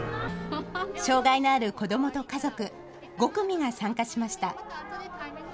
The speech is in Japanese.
障害のある子どもと家族、５組が参加しました。